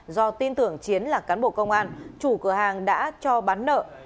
do tin tưởng chiến là cán bộ công an chủ cửa hàng đã cho bán nợ